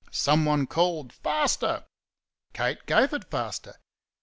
Someone called out "Faster!" Kate gave it faster.